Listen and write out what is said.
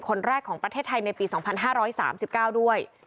คนแรกของประเทศไทยในปี๒๕๓๙ด้วย